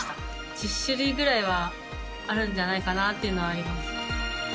１０種類ぐらいはあるんじゃないかなと思います。